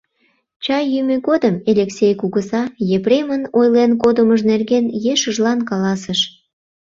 Чай йӱмӧ годым Элексей кугыза Епремын ойлен кодымыж нерген ешыжлан каласыш.